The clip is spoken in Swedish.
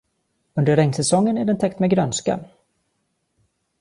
Under regnsäsongen är den täckt med grönska.